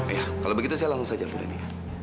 iya kalau begitu saya langsung saja pak prabu